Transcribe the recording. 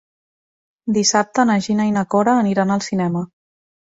Dissabte na Gina i na Cora aniran al cinema.